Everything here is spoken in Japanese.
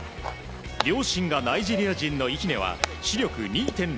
両親がナイジェリア人のイヒネは視力２．０。